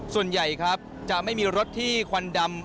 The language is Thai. ส่วนใหญ่ครับจะไม่มีรถที่ควันดำ